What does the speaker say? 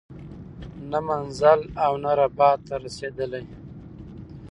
نه منزل او نه رباط ته رسیدلی